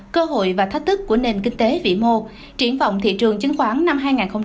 cơ hội và thách thức của nền kinh tế vĩ mô triển vọng thị trường chứng khoán năm hai nghìn hai mươi